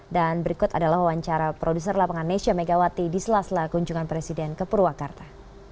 dan berikut adalah wawancara produser lapangan nesya megawati di selasla kunjungan presiden kepurwakarta